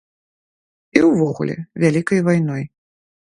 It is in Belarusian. І ўвогуле, вялікай вайной.